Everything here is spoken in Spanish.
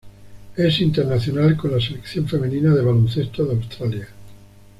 Es internacional con la selección femenina de baloncesto de Australia.